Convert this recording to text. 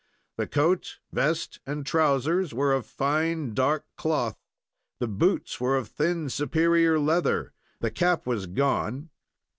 The coat, vest, and trousers were of fine dark cloth, and the boots were of thin, superior leather. The cap was gone.